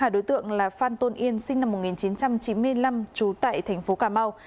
lực lượng là phan tôn yên sinh năm một nghìn chín trăm chín mươi năm trú tại thành phố cà mau